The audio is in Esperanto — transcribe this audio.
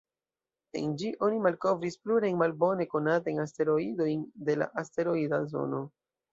En ĝi oni malkovris plurajn malbone konatajn asteroidojn de la asteroida zono.